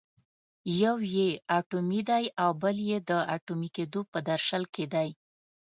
یو یې اټومي دی او بل یې د اټومي کېدو په درشل کې دی.